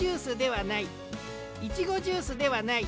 イチゴジュースではない。